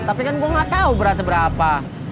tapi kan gue gak tau beratnya berapa